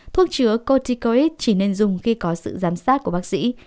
thuốc chứa coticoid chỉ nên dùng khi có sự giám sát của bác sĩ